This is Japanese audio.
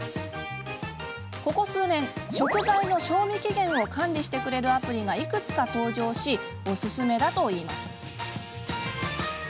ここ数年、食材の賞味期限を管理してくれるアプリがいくつか登場しおすすめだといいます。